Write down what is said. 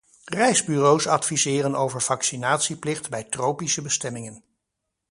Reisbureaus adviseren over vaccinatieplicht bij tropische bestemmingen.